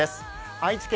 愛知県